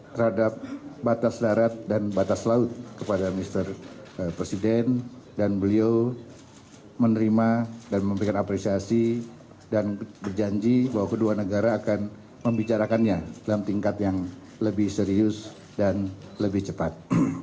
terhadap batas darat dan batas laut kepada mr presiden dan beliau menerima dan memberikan apresiasi dan berjanji bahwa kedua negara akan membicarakannya dalam tingkat yang lebih serius dan lebih cepat